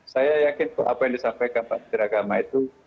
saya yakin apa yang disampaikan pak fitri agama itu